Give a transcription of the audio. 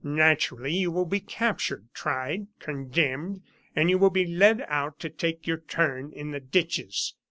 Naturally, you will be captured, tried, condemned; and you will be led out to take your turn in the ditches.